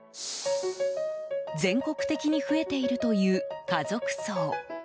全国的に増えているという家族葬。